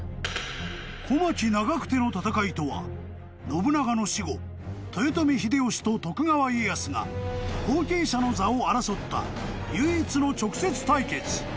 ［信長の死後豊臣秀吉と徳川家康が後継者の座を争った唯一の直接対決］